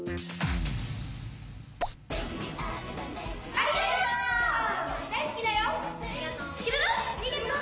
ありがとう！